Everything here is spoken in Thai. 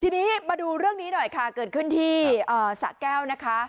ทีนี้มาดูเรื่องนี้หน่อยค่ะเกิดขึ้นที่สะแก้วนะคะ